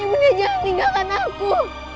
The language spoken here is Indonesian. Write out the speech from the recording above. ibu dia jangan tinggalkan aku